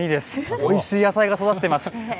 おいしい野菜が育ってます。